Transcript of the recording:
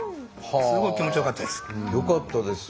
すごい気持ちよかったです。